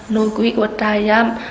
nội quy của trại giam